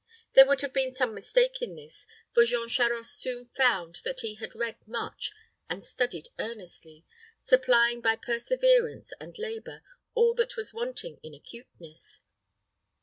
There would have been some mistake in this, for Jean Charost soon found that he had read much, and studied earnestly, supplying by perseverance and labor all that was wanting in acuteness.